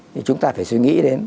thì chúng ta phải suy nghĩ đến